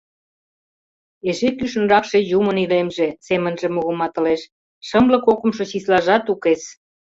Эше кӱшныракше Юмын илемже, — семынже мугыматылеш. — шымле кокымшо числажат укес.